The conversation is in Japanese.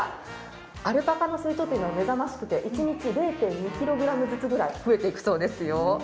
アルパカの成長というのは目覚ましくて一日に０．２ｋｇぐらい増えていくそうですよ。